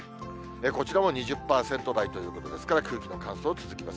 こちらも２０％台ということですから、空気の乾燥続きます。